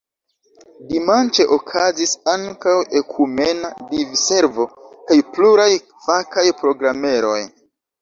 Dimanĉe okazis ankaŭ ekumena diservo kaj pluraj fakaj programeroj.